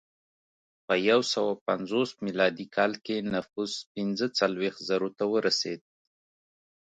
په یو سوه پنځوس میلادي کال کې نفوس پنځه څلوېښت زرو ته ورسېد